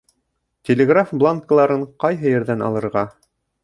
Телеграф бланкыларын ҡайһы ерҙән алырға?